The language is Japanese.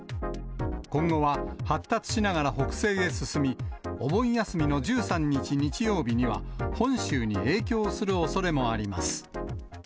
今後は発達しながら北西へ進み、お盆休みの１３日日曜日には、本州に影響するおそれもあります。